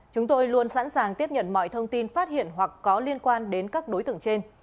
chúng tôi luôn sẵn sàng tiếp nhận mọi thông tin phát hiện hoặc có liên quan đến các đối tượng trên